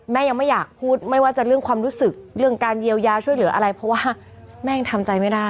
แม่ยังไม่อยากพูดไม่ว่าจะเรื่องความรู้สึกเรื่องการเยียวยาช่วยเหลืออะไรเพราะว่าแม่ยังทำใจไม่ได้